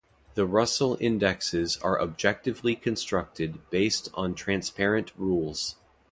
The Russell indexes are objectively constructed based on transparent rules.